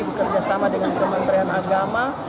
bekerjasama dengan kementerian agama